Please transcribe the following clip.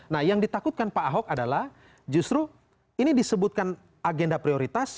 nah yang ditakutkan pak ahok adalah justru ini disebutkan agenda prioritas